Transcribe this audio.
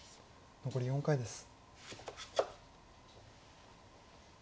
残り４回です。